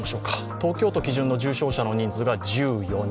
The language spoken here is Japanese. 東京都基準の重症者の人数が１４人。